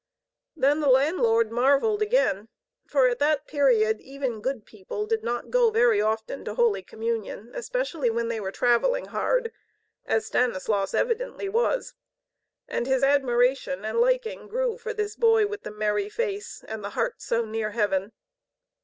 Then the landlord marvelled again, for at that period even good people did not go very often to Holy Communion, especially when they were traveling hard, as Stanislaus evidently was. And his admiration and liking grew for this boy with the merry face and the heart so near heaven.